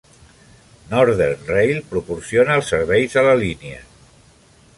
Northern Rail proporciona els serveis a la línia.